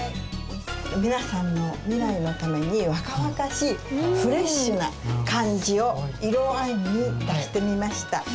皆さんの未来のために若々しいフレッシュな感じを色合いに出してみました。